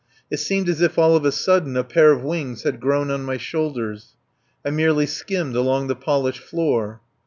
It seemed as if all of a sudden a pair of wings had grown on my shoulders. I merely skimmed along the polished floor.